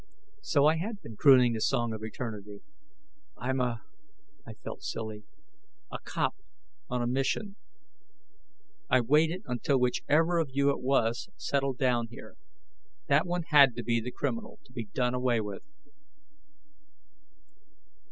So I had been crooning the Song of Eternity? "I'm a" I felt silly "a cop on a mission. I waited until whichever of you it was settled down here. That one had to be the criminal, to be done away with."